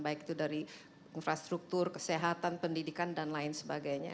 baik itu dari infrastruktur kesehatan pendidikan dan lain sebagainya